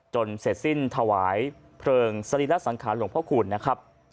เสร็จสิ้นถวายเพลิงสรีระสังขารหลวงพระคุณนะครับ